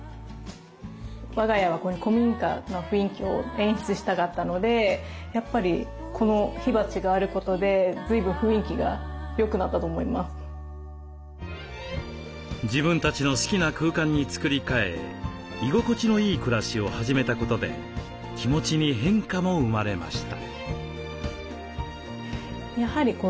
我が家は古民家の雰囲気を演出したかったので自分たちの好きな空間に作り替え居心地のいい暮らしを始めたことで気持ちに変化も生まれました。